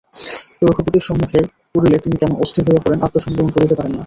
রঘুপতির সম্মুখে পড়িলে তিনি কেমন অস্থির হইয়া পড়েন, আত্মসংবরণ করিতে পারেন না।